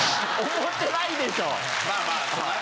思ってないでしょ。